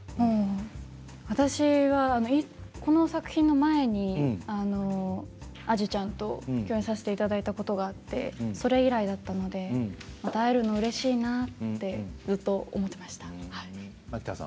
私はこの作品の前に彩珠ちゃんと共演させていただいたことがあってそれ以来だったのでまた会えるのうれしいなとずっと思っていました。